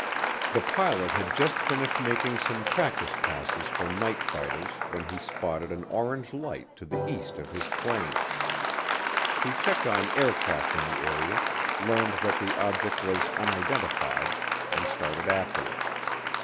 The pilot had just finished making some practice passes for night fighters when he spotted an orange light to the east of his plane. He checked on aircraft in the area, learned that the object was unidentified, and started after it.